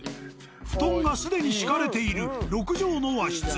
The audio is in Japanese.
布団が既に敷かれている６畳の和室。